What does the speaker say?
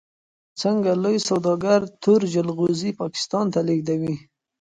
څنګه لوی سوداګر تور جلغوزي پاکستان ته لیږدوي؟